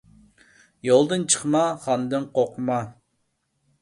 يولدىن چىقما، خاندىن قورقما.